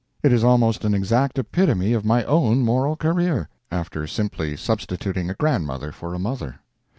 It is almost an exact epitome of my own moral career—after simply substituting a grandmother for a mother.